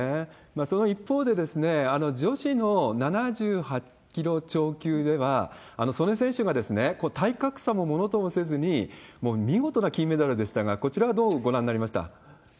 その一方で、女子の７８キロ超級では、素根選手が体格差もものともせずに、もう見事な金メダルでしたが、こちらはどうご覧になりました？